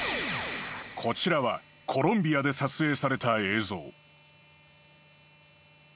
［こちらはコロンビアで撮影された映像］